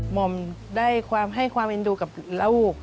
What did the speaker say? หม่อมได้ความให้ความอินดูกับราวก